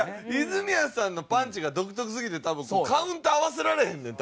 泉谷さんのパンチが独特すぎて多分カウント合わせられへんねん。